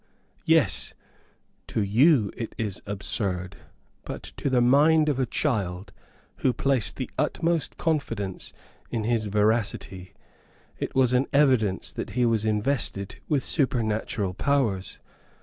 Yes, to you it is absurd; but to the mind of a child who placed the utmost confidence in his veracity, it was an evidence that he was invested with supernatural powers.